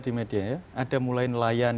di media ya ada mulai nelayan